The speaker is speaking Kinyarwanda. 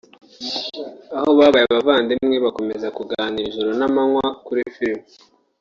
aho babaye abavandimwe bakomeza kuganira ijoro n’amanywa kuri filimi